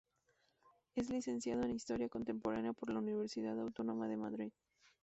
Es licenciado en Historia Contemporánea por la Universidad Autónoma de Madrid.